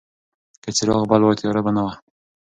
که څراغ بل وای، تیاره به نه وه.